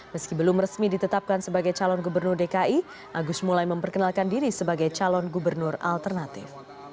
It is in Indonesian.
meski belum resmi ditetapkan sebagai calon gubernur dki agus mulai memperkenalkan diri sebagai calon gubernur alternatif